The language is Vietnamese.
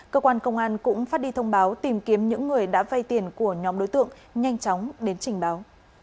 cơ quan công an cũng phát đi thông báo tìm kiếm những người đã vay tiền của nhóm đối tượng nhanh chóng đến trình báo